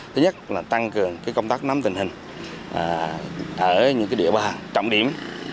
thứ nhất là tăng cường công tác nắm tình hình ở những địa bàn trọng điểm